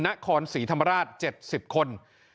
นครศรีธรรมราช๗๐คน